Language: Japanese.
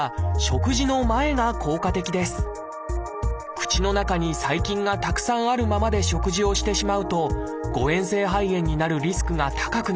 口の中に細菌がたくさんあるままで食事をしてしまうと誤えん性肺炎になるリスクが高くなるからです。